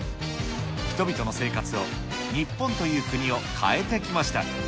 人々の生活を、日本という国を変えてきました。